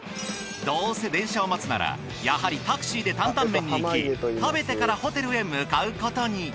どうせ電車を待つならやはりタクシーでタンタンメンに行き食べてからホテルへ向かうことに。